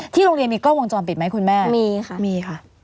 ที่โรงเรียนมีกล้องวงจรปิดไหมคุณแม่มีค่ะ